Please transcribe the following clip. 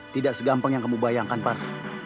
tidak segampang yang kamu bayangkan pak